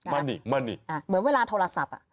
มั่นด้วยเดี๋ยวเมื่อเวลาโทรศัพท์